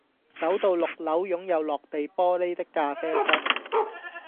走到六樓擁有落地玻璃的咖啡室